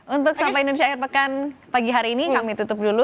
untuk sampai indonesia akhir pekan pagi hari ini kami tutup dulu